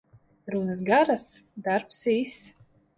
Runas garas, darbs īss.